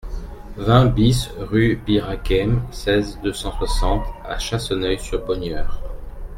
vingt BIS rue Bir'Hakeim, seize, deux cent soixante à Chasseneuil-sur-Bonnieure